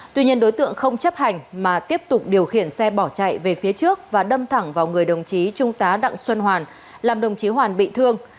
tuy nhiên đối tượng không chấp hành mà tiếp tục điều khiển xe bỏ chạy về phía trước và đâm thẳng vào người đồng chí trung tá đặng xuân hoàn làm đồng chí hoàn bị thương